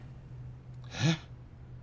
えっ？